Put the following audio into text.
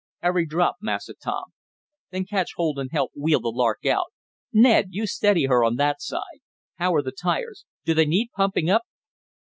"Every drop, Massa Tom." "Then catch hold and help wheel the Lark out. Ned, you steady her on that side. How are the tires? Do they need pumping up?"